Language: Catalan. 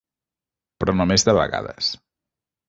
Però només de vegades.